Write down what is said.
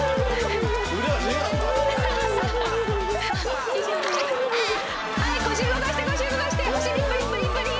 腕は自由なんだはい腰動かして腰動かしてお尻プリプリプリ！